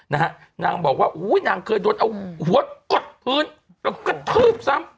นางบอกว่าอุ้ยนางเคยโดนเอาหัวกดพื้นแล้วก็กระทืบซ้ำ